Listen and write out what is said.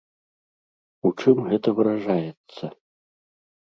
У чым гэта выражаецца?